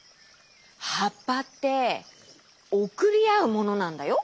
はっぱっておくりあうものなんだよ！